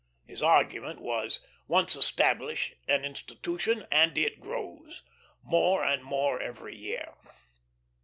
His argument was: Once establish an institution, and it grows; more and more every year.